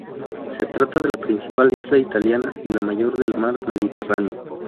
Se trata de la principal isla italiana y la mayor del mar Mediterráneo.